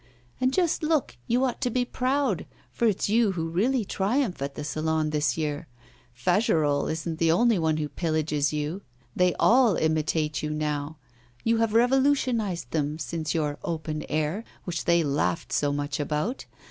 And, just look, you ought to be proud, for it's you who really triumph at the Salon this year. Fagerolles isn't the only one who pillages you; they all imitate you now; you have revolutionised them since your "Open Air," which they laughed so much about.